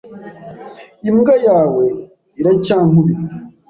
Imbwa yawe iracyankubita.